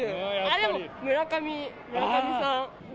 でも村上、村上さん。